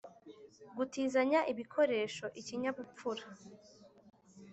-gutizanya ibikoresho; -ikinyabupfura;